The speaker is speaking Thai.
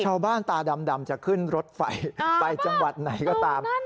ชาวบ้านตาดำจะขึ้นรถไฟไปจังหวัดไหนก็ตาม